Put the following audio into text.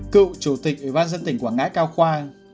cựu chủ tịch ủy ban dân tỉnh quảng ngãi cao khoa